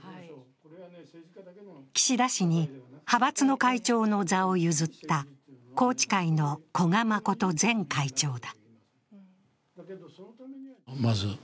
岸田氏に派閥の会長の座を譲った宏池会の古賀誠前会長だ。